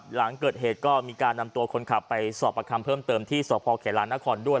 หลังเกิดเหตุก็มีการนำตัวคนขับไปสอบประคำเพิ่มเติมที่สพเขลานครด้วย